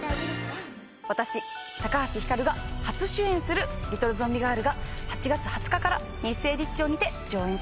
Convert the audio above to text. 私橋ひかるが初主演する『リトル・ゾンビガール』が８月２０日から日生劇場にて上演します。